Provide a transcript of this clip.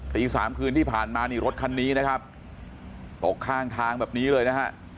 ตีสามคืนที่ผ่านมานี่รถคันนี้นะครับตกข้างทางแบบนี้เลยนะฮะ